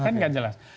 kan gak jelas